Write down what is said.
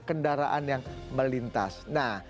kendaraan yang melintas nah